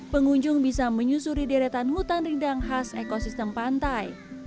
pengunjung bisa menyusuri deretan hutan rindang khas ekosistem pantai